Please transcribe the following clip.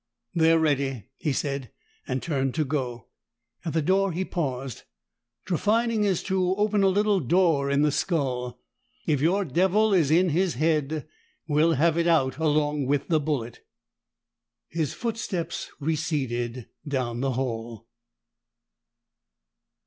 "They're ready," he said, and turned to go. At the door he paused. "Trephining is to open a little door in the skull. If your devil is in his head, we'll have it out along with the bullet." His footsteps receded down the hall.